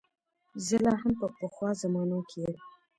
زه لا هم په پخوا زمانو کې یم.